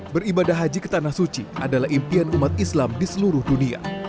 beribadah haji ke tanah suci adalah impian umat islam di seluruh dunia